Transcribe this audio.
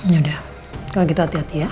ya udah kalau kita hati hati ya